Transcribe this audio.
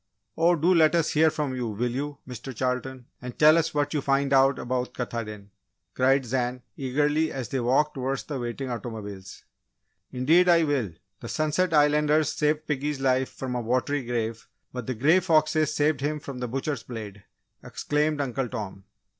"Oh, do let us hear from you, will you, Mr. Charlton? and tell us what you find out about Katahdin?" cried Zan, eagerly, as they walked towards the waiting automobiles. "Indeed, I will! The Sunset Islanders saved piggy's life from a watery grave, but the Grey Foxes saved him from the butcher's blade!" exclaimed Uncle Tom.